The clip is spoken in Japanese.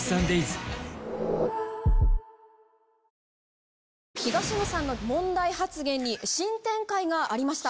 ＪＴ東野さんの問題発言に新展開がありました。